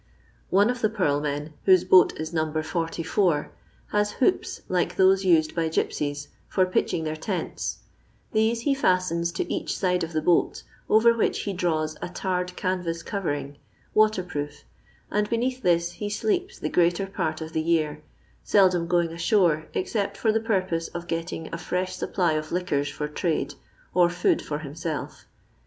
One of the purl men, whose boat is No. 44, has hoops like those used by gipsies for pitching their tents; these he &stens to each side of the boat, over which he draws a tarred canvas covering, water proof, and beneath this ha sleeps the greater part of the year, seldom going ashore except for the purpose of getting a fresh supply of liquors for trade, or food for himself.